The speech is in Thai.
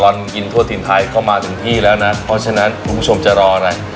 ตลอดกินทั่วถิ่นไทยเข้ามาถึงที่แล้วนะเพราะฉะนั้นคุณผู้ชมจะรออะไร